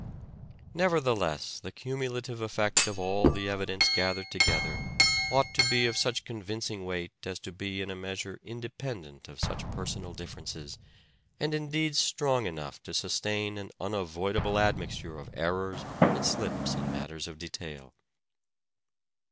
Nevertheless the cumu lative effect of all the evidence gathered together ought to be of such convincing weight as to be in a measure independent of such personal differences, and indeed strong enough to sustain an unavoidable admixture of errors and slips in matters of detail.